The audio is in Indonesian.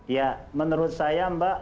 ya menurut saya mbak